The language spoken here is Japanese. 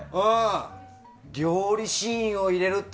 料理シーンを入れると。